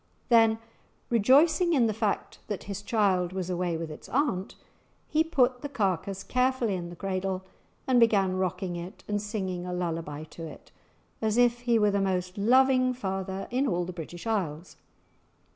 Then rejoicing in the fact that his child was away with its aunt, he put the carcase carefully in the cradle and began rocking it and singing a lullaby to it, as if he were the most loving father in all the British Isles.